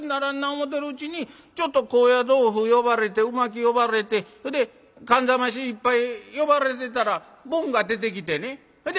思てるうちにちょっと高野豆腐呼ばれて鰻巻き呼ばれてほで燗冷まし一杯呼ばれてたらボンが出てきてねほで